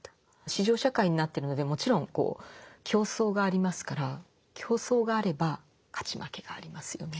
市場社会になってるのでもちろん競争がありますから競争があれば勝ち負けがありますよね。